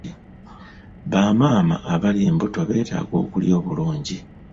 Bamaama abali embuto beetaaga okulya obulungi.